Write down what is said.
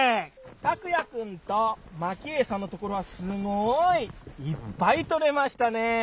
たくや君とまきえさんのところはすごいいっぱい取れましたね！